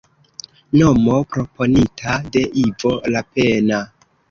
Nomo proponita de Ivo Lapenna.